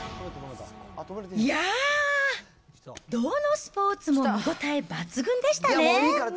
いやー、どのスポーツも見応え抜群でしたね。